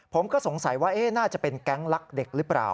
ผมก็สงสัยว่าน่าจะเป็นแก๊งลักเด็กหรือเปล่า